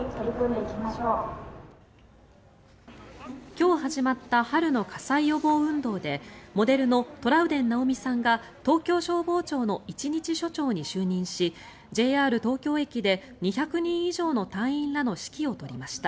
今日、始まった春の火災予防運動でモデルのトラウデン直美さんが東京消防庁の一日署長に就任しＪＲ東京駅で２００人以上の隊員らの指揮を執りました。